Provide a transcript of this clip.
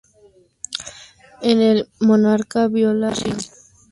Si el monarca viola la constitución, debe abdicar.